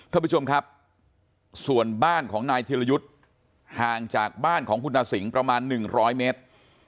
ท่านผู้ชมครับส่วนบ้านของนายธิรยุทธ์ห่างจากบ้านของคุณตาสิงประมาณ๑๐๐เมตร